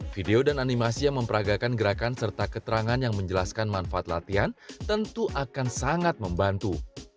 video dan animasi yang memperagakan gerakan serta keterangan yang menjelaskan manfaat latihan tentu akan sangat membantu